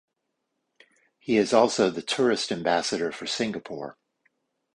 He is also the tourist ambassador for Singapore.